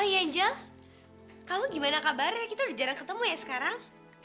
ya angel kamu gimana kabarnya kita udah jarang ketemu ya sekarang